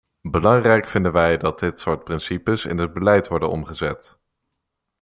Belangrijk vinden wij dat dit soort principes in het beleid worden omgezet.